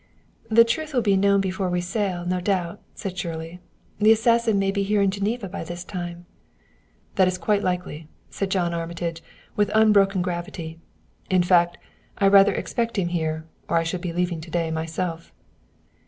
"The truth will be known before we sail, no doubt," said Shirley. "The assassin may be here in Geneva by this time." "That is quite likely," said John Armitage, with unbroken gravity. "In fact, I rather expect him here, or I should be leaving to day myself."